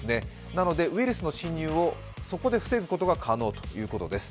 なので、ウイルスの侵入をそこで防ぐことが可能ということです。